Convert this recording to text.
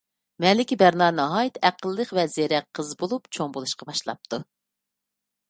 مەلىكە بەرنا ناھايىتى ئەقىللىق ۋە زېرەك قىز بولۇپ چوڭ بولۇشقا باشلاپتۇ.